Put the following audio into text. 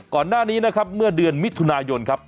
ก่อนหน้านี้นะครับเมื่อเดือนมิถุนายนครับ